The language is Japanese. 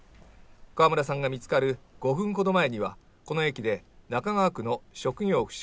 川村さんが見つかる５分ほど前には、この駅で、中川区の職業不詳